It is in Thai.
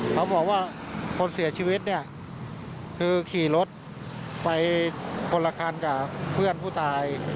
เขาบอกว่าคนเสียชีวิตเนี่ยคือขี่รถไปคนละคันกับเพื่อนผู้ตาย